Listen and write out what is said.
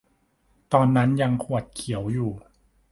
ตอนนั้นยังขวดเขียวอยู่